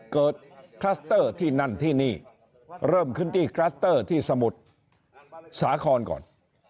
คลัสเตอร์ที่นั่นที่นี่เริ่มขึ้นที่คลัสเตอร์ที่สมุทรสาครก่อน